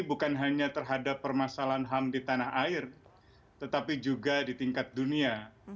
bukan hanya terhadap permasalahan ham di tanah air tetapi juga di tingkat dunia